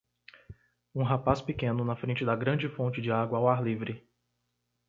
Um rapaz pequeno na frente da grande fonte de água ao ar livre.